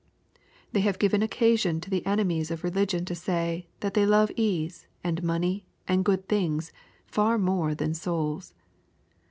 They have given occasion to the enemies of religion to say, that they love ease, and money, and good things, far more than souls.